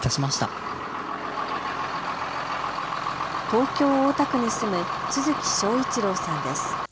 東京大田区に住む都築章一郎さんです。